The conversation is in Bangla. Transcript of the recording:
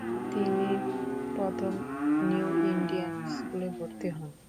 তিনি প্রথমে নিউ ইন্ডিয়ান স্কুলে ভর্তি হন।